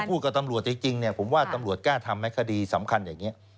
กับตำรวจจริงเนี่ยผมว่าตำรวจกล้าทำไหมคดีสำคัญอย่างนี้